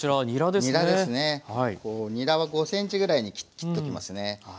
にらは５ｃｍぐらいに切っときますね。